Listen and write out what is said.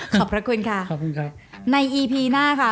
ขอบพระคุณค่ะขอบคุณครับในอีพีหน้าค่ะ